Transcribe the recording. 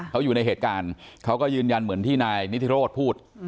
เขาอยู่ในเหตุการณ์เขาก็ยืนยันเหมือนที่นายนิทิโรธพูด